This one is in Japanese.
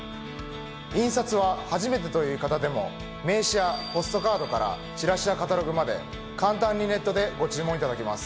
印刷は初めてという方でも名刺やポストカードからチラシやカタログまで簡単にネットでご注文いただけます。